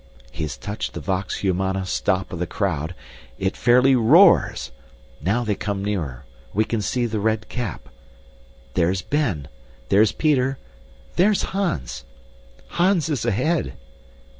He has touched the vox humana stop of the crowd; it fairly roars. Now they come nearer we can see the red cap. There's Ben there's Peter there's Hans! Hans is ahead!